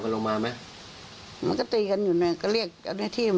ลงมาแล้วมันตามกันลงมาไหม